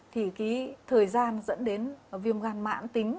thì thời gian dẫn đến viêm gan mãn tính